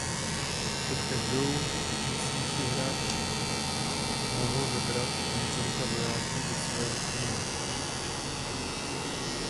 Před každou musí si hráč mohl vybrat z několika vojáků do svého týmu.